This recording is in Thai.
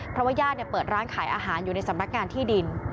เพราะว่าญาติเปิดร้านขายอาหารอยู่ในสำนักงานที่ดิน